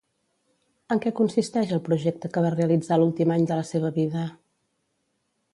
En què consisteix el projecte que va realitzar l'últim any de la seva vida?